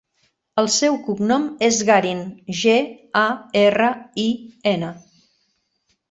El seu cognom és Garin: ge, a, erra, i, ena.